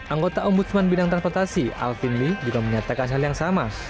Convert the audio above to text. anggota ombudsman bidang transportasi alvin lee juga menyatakan hal yang sama